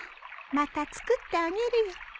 また作ってあげるよ。